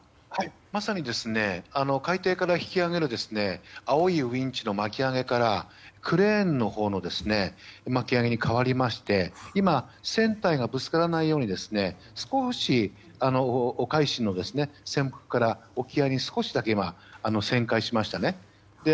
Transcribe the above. まさに海底から引き揚げる青いウィンチの巻き上げからクレーンのほうの巻き上げに変わりまして今、船体がぶつからないように少し、「海進」の船腹から沖合に旋回しましたね。